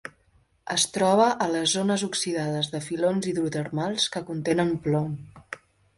Es troba a les zones oxidades de filons hidrotermals que contenen plom.